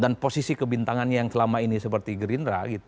posisi kebintangannya yang selama ini seperti gerindra